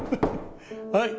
はい。